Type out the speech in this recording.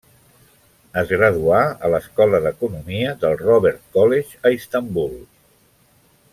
Es graduà a l'Escola d'Economia del Robert College a Istanbul.